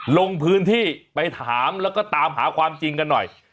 ลงพื้นที่ไปถามแล้วก็ตามหาความจริงกันหน่อย